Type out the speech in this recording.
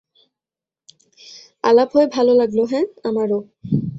আলাপ হয়ে ভালো লাগলো হ্যাঁ, আমারও।